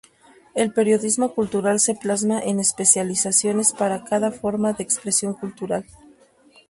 El periodismo cultural se plasma en especializaciones para cada forma de expresión cultural.